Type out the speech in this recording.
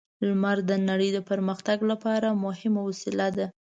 لمر د نړۍ د پرمختګ لپاره مهمه وسیله ده.